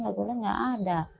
lalu lah nggak ada